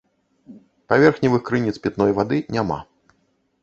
Паверхневых крыніц пітной вады няма.